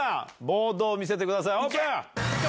ボードを見せてくださいオープン！